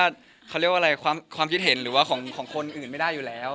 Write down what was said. เขาเรียกว่าอะไรความคิดเห็นหรือว่าของคนอื่นไม่ได้อยู่แล้ว